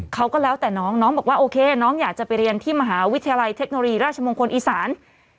เขาก็แล้วแต่น้องน้องบอกว่าโอเคน้องอยากจะไปเรียนที่มหาวิทยาลัยเทคโนโลยีราชมงคลอีสาน